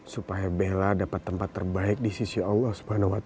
supaya bella dapat tempat terbaik di sisi allah swt